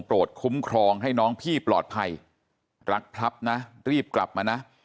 คุ้มครองให้น้องพี่ปลอดภัยรักพลับนะรีบกลับมานะ